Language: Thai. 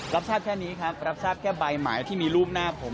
รับทราบแค่นี้ครับรับทราบแค่ใบหมายที่มีรูปหน้าผม